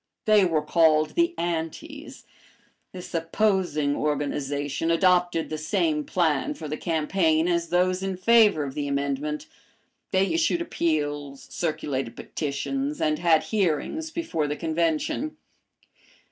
They were called the "Antis." This opposing organization adopted the same plan for the campaign as those in favor of the amendment. They issued appeals, circulated petitions, and had hearings before the Convention.